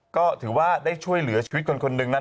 ก็ถือว่าได้ช่วยเหลือชีวิตคนคนหนึ่งนั้น